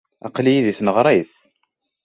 Aql-iyi deg tneɣrit.